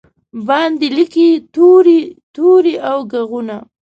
باندې لیکې توري، توري او ږغونه